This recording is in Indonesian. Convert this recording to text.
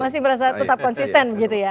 masih merasa tetap konsisten gitu ya